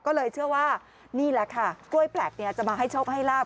ก็เลยเชื่อว่านี่แหละค่ะกล้วยแปลกจะมาให้โชคให้ลาบ